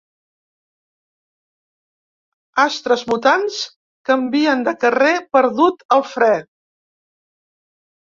Astres mutants canvien de carrer perdut el fre.